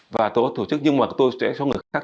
và tôi có tổ chức nhưng mà tôi sẽ cho người khác